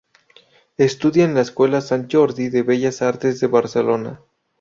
Estudia en la Escuela Sant Jordi de Bellas Artes de Barcelona.